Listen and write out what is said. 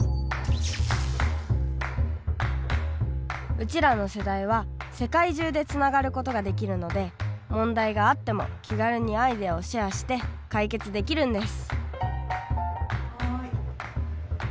うちらの世代は世界中でつながることができるので問題があっても気軽にアイデアをシェアして解決できるんです。